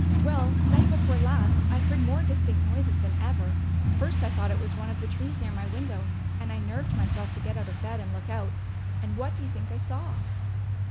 "Well, night before last I heard more distinct noises than ever. First I thought it was one of the trees near my window, and I nerved myself to get out of bed and look out. And what do you think I saw?"